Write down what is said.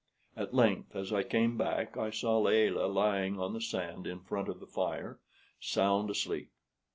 At length, as I came back, I saw Layelah lying on the sand in front of the fire, sound asleep.